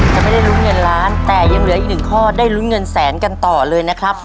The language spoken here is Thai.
จะไม่ได้ลุ้นเงินล้านแต่ยังเหลืออีกหนึ่งข้อได้ลุ้นเงินแสนกันต่อเลยนะครับ